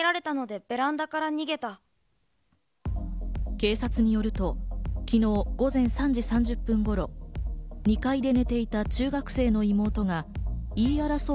警察によると昨日午前３時３０分頃、２階で寝ていた中学生の妹が、言い争う